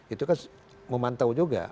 itu kan memantau juga